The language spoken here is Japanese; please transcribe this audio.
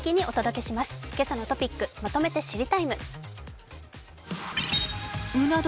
「けさのトピックまとめて知りＴＩＭＥ，」。